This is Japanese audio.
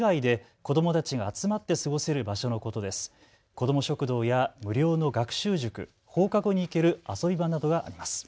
子ども食堂や無料の学習塾、放課後に行ける遊び場などがあります。